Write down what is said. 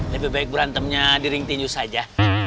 lebih baik berantemnya di ring tinju saja